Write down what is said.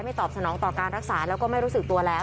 ตอบสนองต่อการรักษาแล้วก็ไม่รู้สึกตัวแล้ว